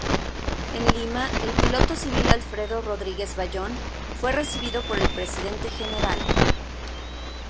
En Lima el piloto civil Alfredo Rodríguez Ballón fue recibido por el Presidente Gral.